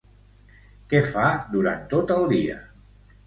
Què fa durant tot el dia?